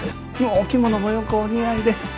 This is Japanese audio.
お着物もよくお似合いで。